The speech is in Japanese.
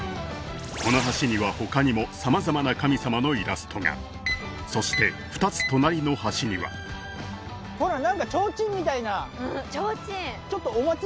この橋には他にも様々な神様のイラストがそして２つ隣の橋にはほら何か提灯みたいなうん提灯